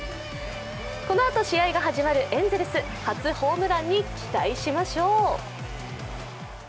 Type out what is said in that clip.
このあと試合が始まるエンゼルス、初ホームランに期待しましょう。